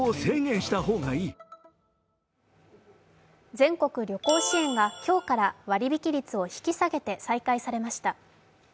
全国旅行支援が今日から割引率を引き下げて再開されました。